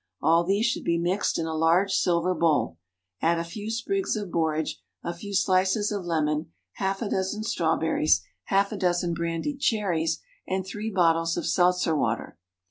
All these should be mixed in a large silver bowl. Add a few sprigs of borage, a few slices of lemon, half a dozen strawberries, half a dozen brandied cherries, and three bottles of seltzer water.